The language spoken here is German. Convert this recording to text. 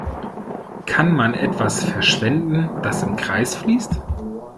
Kann man etwas verschwenden, das im Kreis fließt?